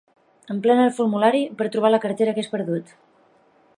Emplena el formulari per trobar la cartera que has perdut.